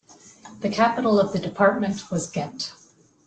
The capital of the department was Ghent.